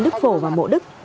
đức phổ và mộ đức